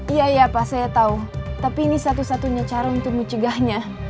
iya iya pak saya tahu tapi ini satu satunya cara untuk mencegahnya